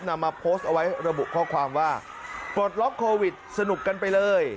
นำมาโพสต์เอาไว้ระบุข้อความว่าปลดล็อกโควิดสนุกกันไปเลย